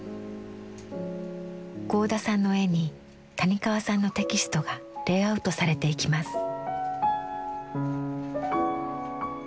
合田さんの絵に谷川さんのテキストがレイアウトされていきます。